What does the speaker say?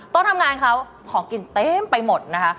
ทำงานเขาของกินเต็มไปหมดนะคะ